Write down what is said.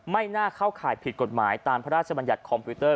ไม่น่าเข้าข่ายผิดกฎหมายตามพระราชบัญญัติคอมพิวเตอร์